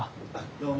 どうも。